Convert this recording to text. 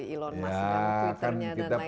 elon musk dan twitternya dan lain sebagainya